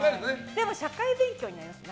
でも社会勉強になりました。